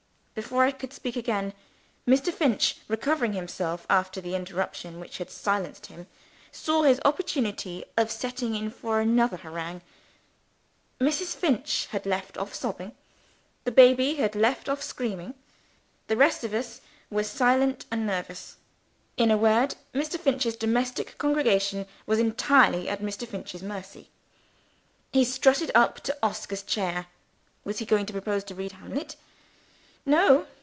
Before I could speak again, Mr. Finch, recovering himself after the interruption which had silenced him, saw his opportunity of setting in for another harangue. Mrs. Finch had left off sobbing; the baby had left off screaming; the rest of us were silent and nervous. In a word, Mr. Finch's domestic congregation was entirely at Mr. Finch's mercy. He strutted up to Oscar's chair. Was he going to propose to read Hamlet? No!